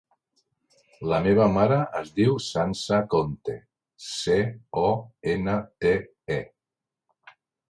La meva mare es diu Sança Conte: ce, o, ena, te, e.